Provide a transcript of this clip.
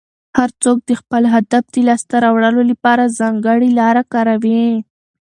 هر څوک د خپل هدف د لاسته راوړلو لپاره ځانګړې لاره کاروي.